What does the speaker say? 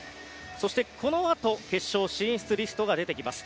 そして、このあと決勝進出リストが出てきます。